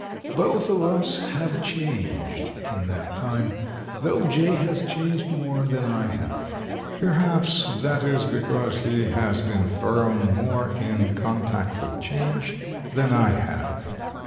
Both of us have changed in that time, though Jay has changed more than I have. Perhaps that is because he has been thrown more in contact with change than I have.